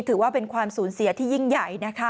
ถือว่าเป็นความสูญเสียที่ยิ่งใหญ่นะคะ